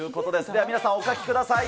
では皆さん、お書きください。